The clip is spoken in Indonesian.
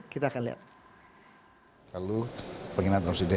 kita akan lihat